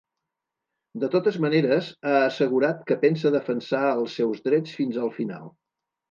De totes maneres, ha assegurat que pensa defensar els seus drets fins al final.